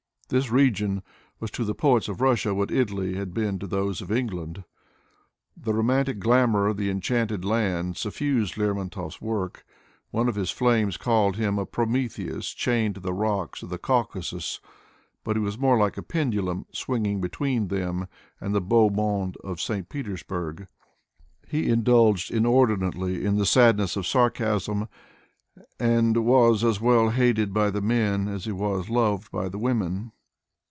This region was to the poets of Russia what Italy has been to those of England. The romantic glamor of the enchanted land suf fused Lermontov's work. One of his flames called him a Prometheus chained to the rocks of the Caucasus, but he was more like a pendulum swinging between them and the beau monde of St. Petersburg. He indulged inordinately in the sad ism of sarcasm, and was as well hated by the men as he was loved by the women.